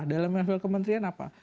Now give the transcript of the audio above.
dalam level kementerian apa